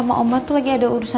terima kasih mama